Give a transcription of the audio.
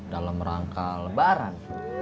dalam rangka lebaran